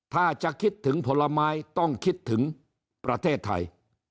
ถ้าจะคิดถึงผลไม้ต้องคิดถึงประเทศไทย